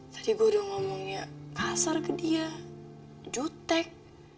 tadi gue udah ngomongnya kasar ke dia jutek